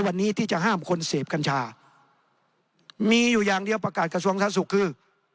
วันนี้ที่จะห้ามคนเสพกัญชามีอยู่อย่างเดียวประกาศกระทรวงสาธารณสุขคือ